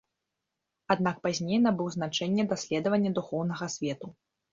Аднак пазней набыў значэнне даследавання духоўнага свету.